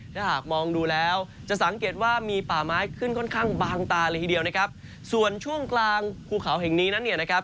ถ้าหากมองดูแล้วจะสังเกตว่ามีป่าไม้ขึ้นค่อนข้างบางตาเลยทีเดียวนะครับส่วนช่วงกลางภูเขาแห่งนี้นั้นเนี่ยนะครับ